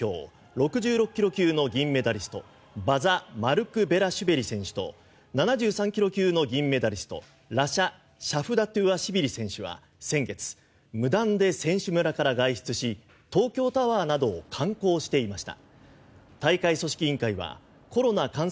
６６ｋｇ級の銀メダリストバザ・マルクベラシュビリ選手と７３ｋｇ級の銀メダリストラシャ・シャフダトゥアシビリ選手は先月、無断で選手村から外出し東京タワーなどを観光していました。